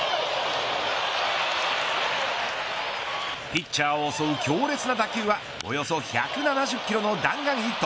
ピッチャーを襲う強烈な打球はおよそ１７０キロの弾丸ヒット。